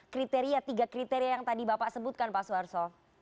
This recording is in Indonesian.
kriteria tiga kriteria yang tadi bapak sebutkan pak suharto